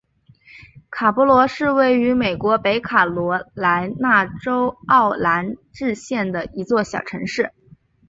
卡勃罗是位于美国北卡罗来纳州奥兰治县的一座小城市。